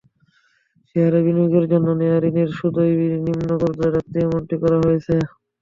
শেয়ারে বিনিয়োগের জন্য নেওয়া ঋণের সুদহার নিম্ন পর্যায়ে রাখতে এমনটি করা হয়েছে।